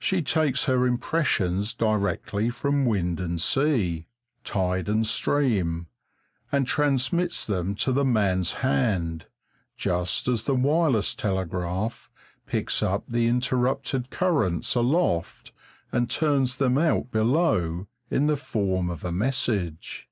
She takes her impressions directly from wind and sea, tide and stream, and transmits them to the man's hand, just as the wireless telegraph picks up the interrupted currents aloft and turns them out below in the form of a message.